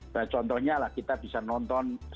nah contohnya lah kita bisa nonton